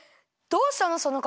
どうしたの？